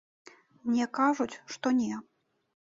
Мне кажуць, што не.